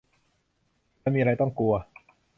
มันมีอะไรต้องกลัว